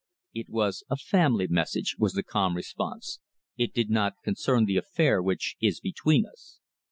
"It was a family message," was the calm response. "It did not concern the affair which is between us."